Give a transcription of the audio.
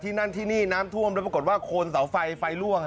นั่นที่นี่น้ำท่วมแล้วปรากฏว่าโคนเสาไฟไฟล่วง